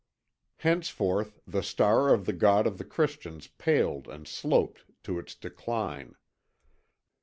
"Henceforth, the star of the God of the Christians paled and sloped to its decline.